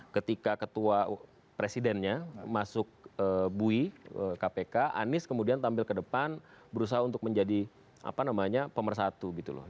ketika ketua presidennya masuk bui kpk anies kemudian tampil ke depan berusaha untuk menjadi apa namanya pemersatu gitu loh